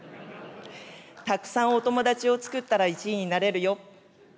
たくさんお友達をつくったら１位になれるよ。